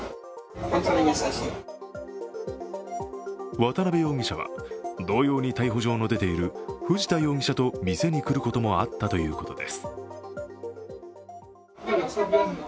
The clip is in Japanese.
渡辺容疑者は、同様に逮捕状の出ている藤田容疑者と店に来ることもあったということです。